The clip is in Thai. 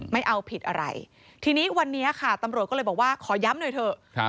ไม่เอาผิดอะไรทีนี้วันนี้ค่ะตำรวจก็เลยบอกว่าขอย้ำหน่อยเถอะ